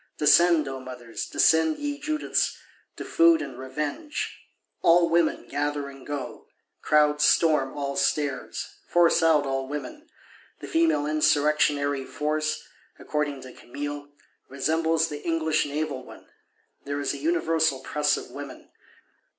Descend, O mothers; descend, ye Judiths, to food and revenge!—All women gather and go; crowds storm all stairs, force out all women: the female Insurrectionary Force, according to Camille, resembles the English Naval one; there is a universal "Press of women."